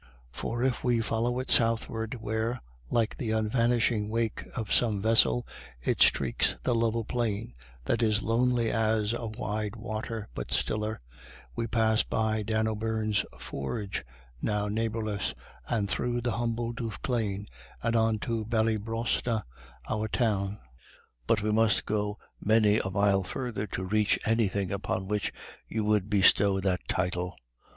For if we follow it southward, where, like the unvanishing wake of some vessel, it streaks the level plain, that is lonely as a wide water, but stiller, we pass by Dan O'Beirne's forge, now neighbourless, and through humble Duffclane, and on to Ballybrosna, our Town; but we must go many a mile further to reach anything upon which you would bestow that title.